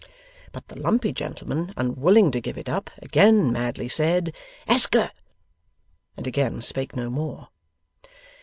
But the lumpy gentleman, unwilling to give it up, again madly said, 'ESKER,' and again spake no more.